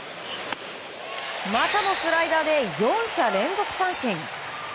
またもスライダーで４者連続三振！